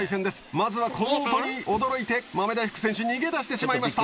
まずはこの音に驚いて豆大福選手逃げ出してしまいました。